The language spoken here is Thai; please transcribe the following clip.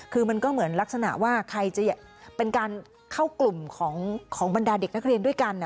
คือมันก็เหมือนลักษณะว่าใครจะเป็นการเข้ากลุ่มของบรรดาเด็กนักเรียนด้วยกัน